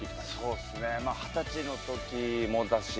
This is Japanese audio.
二十歳のときもだし